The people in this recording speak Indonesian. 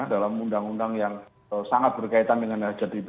dalam undang undang yang sangat berkaitan dengan rkuh ini